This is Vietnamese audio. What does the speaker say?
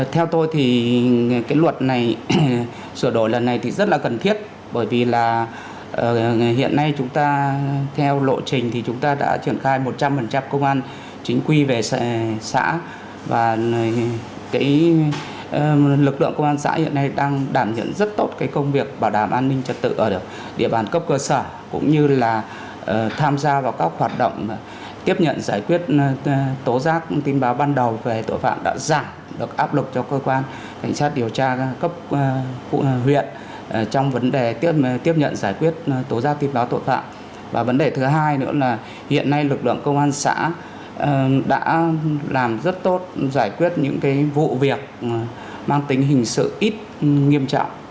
theo tôi thì cái luật này sửa đổi lần này thì rất là cần thiết bởi vì là hiện nay chúng ta theo lộ trình thì chúng ta đã truyền khai một trăm linh công an chính quy về xã và lực lượng công an xã hiện nay đang đảm nhận rất tốt cái công việc bảo đảm an ninh trật tự ở địa bàn cấp cơ sở cũng như là tham gia vào các hoạt động tiếp nhận giải quyết tố giác tin báo ban đầu về tội phạm đã giảm